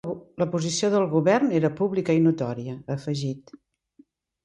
La posició del govern era pública i notòria, ha afegit.